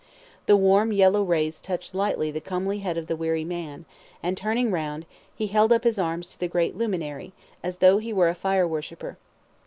The warm yellow rays touched lightly the comely head of the weary man, and, turning round, he held up his arms to the great luminary, as though he were a fire worshipper.